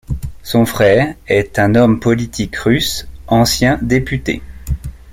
Son frère, est un homme politique russe, ancien député.